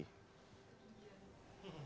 setelah kehadiran usha begini